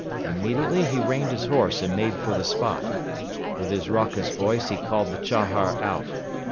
Immediately he reined his horse and made for the spot. With his raucous voice he called the Chahar out.